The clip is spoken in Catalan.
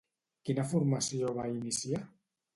Quina formació va iniciar?